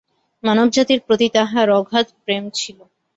মানবজাতির প্রতি তাঁহার অগাধ প্রেম ছিল।